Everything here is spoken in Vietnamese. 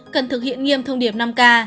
cần thực hiện nghiêm thông điệp năm k